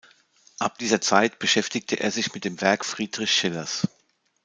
Ab dieser Zeit beschäftigte er sich mit dem Werk Friedrich Schillers.